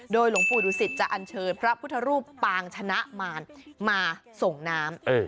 หลวงปู่ดุสิตจะอันเชิญพระพุทธรูปปางชนะมารมาส่งน้ำ